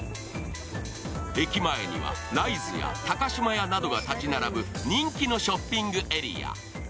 駅前にはライズや高島屋などが立ち並ぶ人気のショッピングエリア。